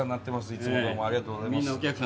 いつもどうもありがとうございます。